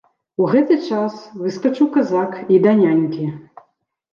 У гэты час выскачыў казак і да нянькі.